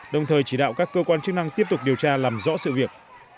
đồng thời chỉ đạo các cơ quan chức năng tiếp tục điều tra làm rõ sự việc